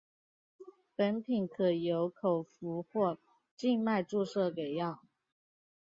本品可由口服或静脉注射给药。